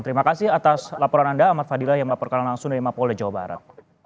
terima kasih atas laporan anda ahmad fadilah yang melaporkan langsung dari mapolda jawa barat